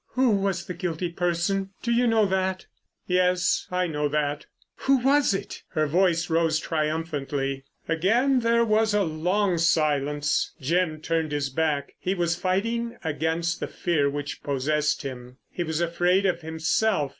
"Who was the guilty person? Do you know that?" "Yes. I know that." "Who was it?" Her voice rose triumphantly. Again there was a long silence. Jim turned his back. He was fighting against the fear which possessed him. He was afraid of himself.